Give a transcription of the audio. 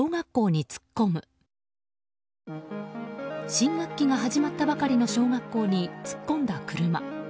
新学期が始まったばかりの小学校に突っ込んだ車。